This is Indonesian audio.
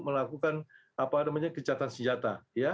melakukan kecatan senjata